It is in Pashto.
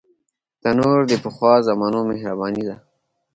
تنور د پخوا زمانو مهرباني ده